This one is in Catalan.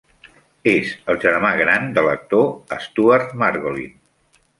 És el germà gran de l'actor Stuart Margolin.